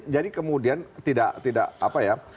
jadi kemudian tidak apa ya